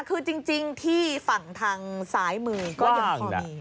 คือจริงที่ฝั่งทางซ้ายมือก็ยังพอมี